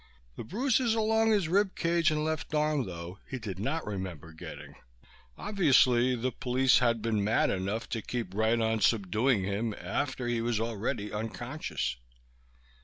The bruises along his rib cage and left arm, though, he did not remember getting. Obviously the police had been mad enough to keep right on subduing him after he was already unconscious.